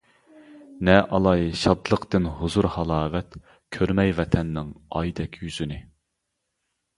نە ئالاي شادلىقتىن ھۇزۇر- ھالاۋەت، كۆرمەي ۋەتەننىڭ ئايدەك يۈزىنى!